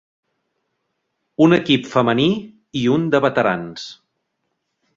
Un equip Femení i un de veterans.